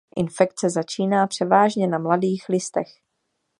Infekce začíná převážně na mladých listech.